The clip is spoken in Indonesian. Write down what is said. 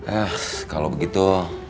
eh kalau begitu